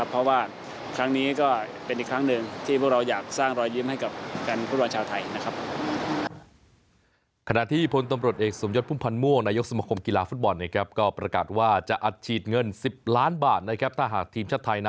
เพราะว่าครั้งนี้ก็เป็นอีกครั้งหนึ่งที่พวกเราอยากสร้างรอยยิ้มให้กับแฟนฟุตบอลชาวไทยนะครับ